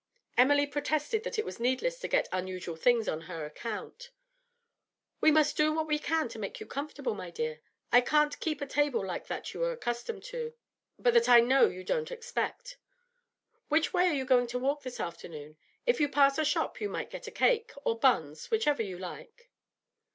Emily protested that it was needless to get unusual things on her account. 'We must do what we can to make you comfortable, my dear. I can't keep a table like that you are accustomed to, but that I know you don't expect. Which way are you going to walk this afternoon? If you pass a shop you might get a cake, or buns, whichever you like.'